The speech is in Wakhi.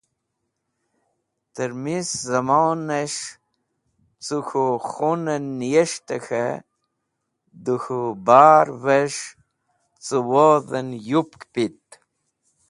Tẽr mis zẽmonas̃h cẽ k̃hũ khunẽn niyes̃htẽ k̃hẽ dẽ khũ barvẽs̃h cẽ wodhẽn yupk pit.